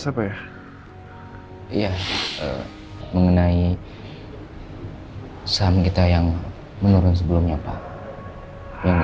silahkan mbak mbak